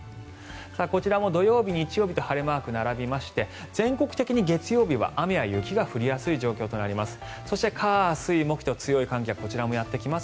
こちらも土曜日、日曜日と晴れマークが並びまして全国的に月曜日は雨や雪が降りやすい状況となります。